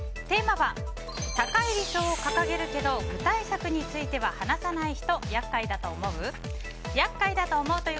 テーマは、高い理想を掲げるけど具体策については話さない人厄介だと思う？